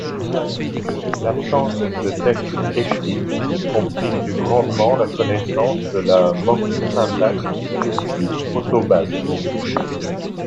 L'absence de textes écrits complique grandement la connaissance de la morphosyntaxe du proto-basque.